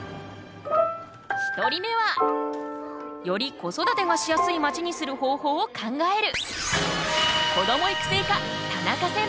１人目はより子育てがしやすいまちにする方法を考える